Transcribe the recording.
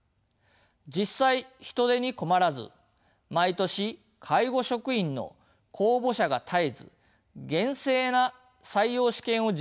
実際人手に困らず毎年介護職員の公募者が絶えず厳正な採用試験を実施している例もあります。